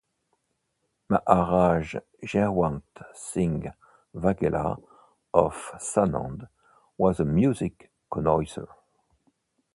Maharaj Jaywant Singh Waghela of Sanand was a music connoisseur.